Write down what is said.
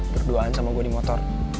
berduaan sama gue di motor